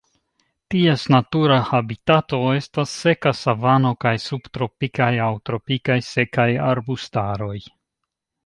Ties natura habitato estas seka savano kaj subtropikaj aŭ tropikaj sekaj arbustaroj.